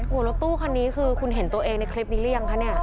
หัวรถตู้คันนี้คือคุณเห็นตัวเองในคลิปนี้หรือยังคะ